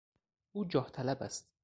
او جاه طلب است.